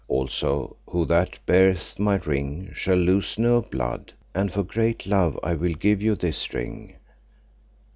Also who that beareth my ring shall lose no blood, and for great love I will give you this ring.